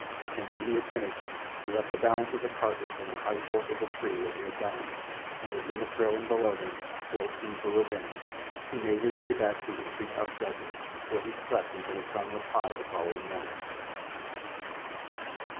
And when he had finished he left the balance of the carcass in a high fork of the tree where he had dined, and with Numa trailing below him, still keen for revenge, he made his way back to his tree top shelter, where he slept until the sun was high the following morning.